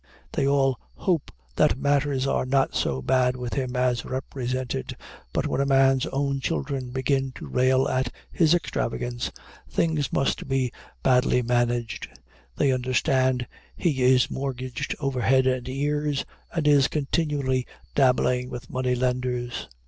They all "hope that matters are not so bad with him as represented; but when a man's own children begin to rail at his extravagance, things must be badly managed. They understand he is mortgaged over head and ears, and is continually dabbling with money lenders.